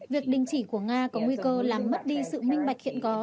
việc đình chỉ của nga có nguy cơ làm mất đi sự minh bạch hiện có